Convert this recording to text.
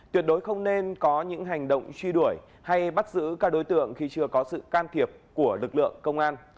tuyệt đối không nên có những hành động truy đuổi hay bắt giữ các đối tượng khi chưa có sự can thiệp của lực lượng công an